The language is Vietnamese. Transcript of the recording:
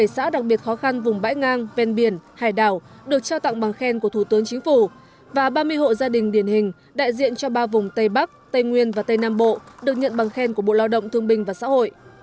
một mươi xã đặc biệt khó khăn vùng bãi ngang ven biển hải đảo được trao tặng bằng khen của thủ tướng chính phủ và ba mươi hộ gia đình điển hình đại diện cho ba vùng tây bắc tây nguyên và tây nam bộ được nhận bằng khen của bộ lao động thương bình và xã hội